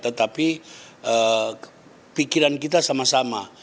tetapi pikiran kita sama sama